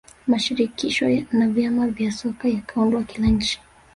mashirikisho na vyama vya soka yakaundwa kila nchi